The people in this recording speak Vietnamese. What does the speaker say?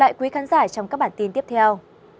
hẹn gặp lại quý khán giả trong các bản tin tiếp theo